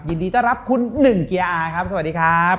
ยินดีต้อนรับคุณหนึ่งเกียร์อาครับสวัสดีครับ